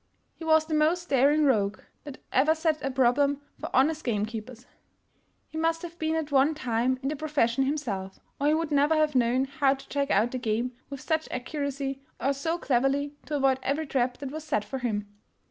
He was the most daring rogue that ever set a problem for honest game keepers. He must have been at one time in the profession himself, or he would never have known how to track out the game with such accuracy or so cleverly to avoid every trap that was set for him.